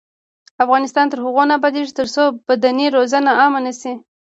افغانستان تر هغو نه ابادیږي، ترڅو بدني روزنه عامه نشي.